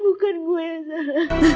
bukan gue yang salah